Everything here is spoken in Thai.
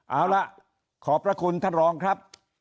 เอาล่ะขอบพระคุณท่านรองครับ